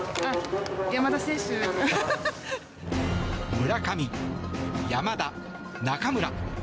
村上、山田、中村。